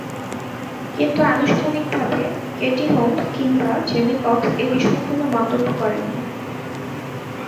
কিন্তু আনুষ্ঠানিকভাবে Katie Holmes কিংবা জেমি ফক্স এ বিষয়ে কোনো মন্তব্য করেননি।